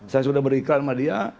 saya sudah berikan sama dia